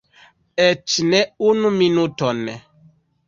Eĉ ne unu minuton!